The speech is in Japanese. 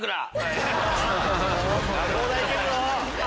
東大行けるぞ！